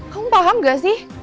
kamu paham gak sih